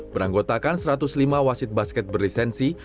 beranggotakan satu ratus lima wasit basket berlisensi